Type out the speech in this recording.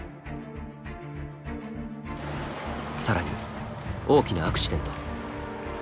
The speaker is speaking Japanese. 更に大きなアクシデント。